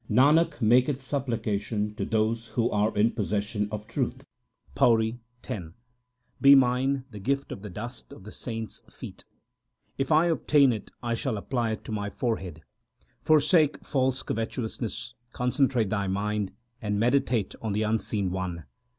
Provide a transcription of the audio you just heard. Nanak maketh supplication to those who are in possession of truth. PAURI X Be mine the gift of the dust of the saints feet : if I obtain it, I shall apply it to my forehead. Forsake false covetousness ; concentrate thy mind and meditate on the Unseen One.